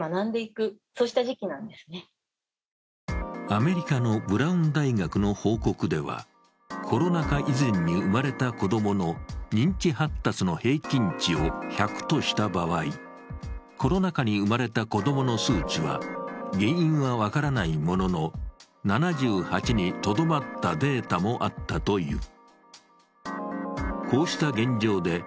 アメリカのブラウン大学の報告では、コロナ禍以前に生まれた子供の認知発達の平均値を１００とした場合コロナ禍に生まれた子供の数値は原因は分からないものの７８にとどまったデータもあったという。